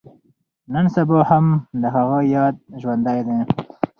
نن سبا هم د هغه ياد ژوندی دی.